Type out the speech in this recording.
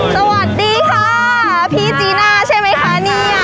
สวัสดีค่ะพี่จีน่าใช่ไหมคะเนี่ย